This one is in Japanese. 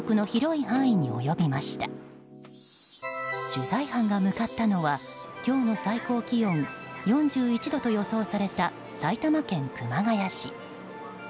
取材班が向かったのは今日の最高気温４１度と予想された埼玉県熊谷市。